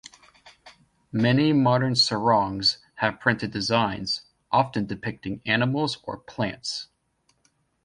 Many modern sarongs have printed designs, often depicting animals or plants.